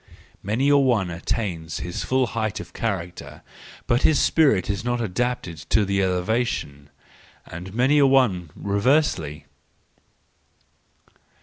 —Many a one attains his full height of character, but his spirit is not adapted to the elevation,—and many a one reversely.